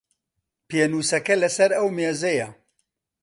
پێنووسەکە لە سەر ئەو مێزەیە.